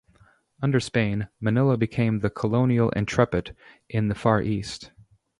Under Spain, Manila became the colonial entrepot in the Far East.